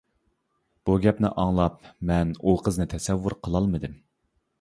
بۇ گەپنى ئاڭلاپ مەن ئۇ قىزنى تەسەۋۋۇر قىلالمىدىم.